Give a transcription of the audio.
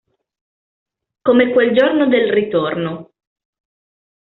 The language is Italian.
Come quel giorno del ritorno.